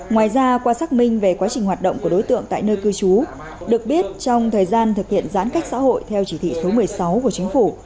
ngoài ra qua xác minh về quá trình hoạt động của đối tượng tại nơi cư trú được biết trong thời gian thực hiện giãn cách xã hội theo chỉ thị số một mươi sáu của chính phủ